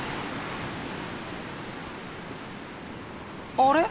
あれ？